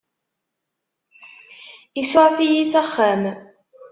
Isuɛef-iyi s axxam.